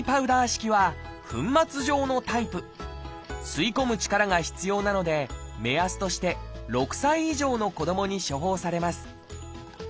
吸い込む力が必要なので目安として６歳以上の子どもに処方されます